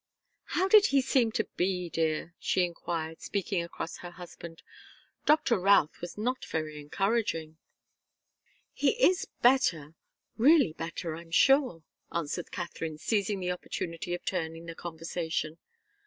"How did he seem to be, dear?" she enquired, speaking across her husband. "Doctor Routh was not very encouraging." "He is better really better, I'm sure," answered Katharine, seizing the opportunity of turning the conversation.